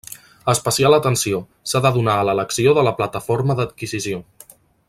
Especial atenció, s'ha de donar a l'elecció de la plataforma d'adquisició.